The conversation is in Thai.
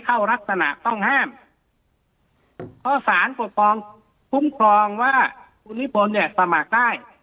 เข้ารักษณะต้องห้ามเพราะสารปกครองคุ้มครองว่าคุณนิพนธ์เนี่ยสมัครได้